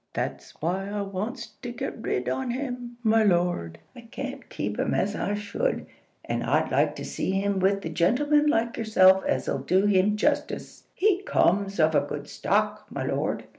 That's why I wants to get rid on him, my lord. I can't keep him as I should, and I'd like to see him with a gentleman like yourself as'll do him justice. He comes of a good stock, my lord.